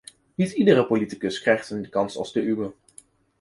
Niet iedere politicus krijgt een kans als de uwe.